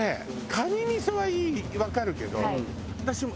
カニ味噌はわかるけど私も。